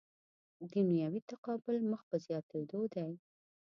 دنیوي تقابل مخ په زیاتېدو وي.